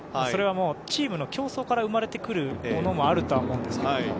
それはチームの競争から生まれてくるものもあるとは思うんですけれども。